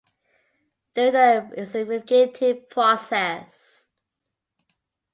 During the investigative process.